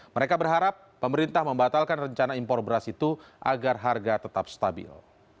mereka berharap pemerintah membatalkan rencana impor beras itu agar harga tetap stabil